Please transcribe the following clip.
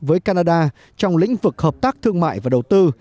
với canada trong lĩnh vực hợp tác thương mại và đầu tư